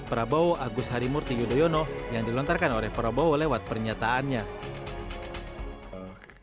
prabowo agus harimurti yudhoyono yang dilontarkan oleh prabowo lewat pernyataannya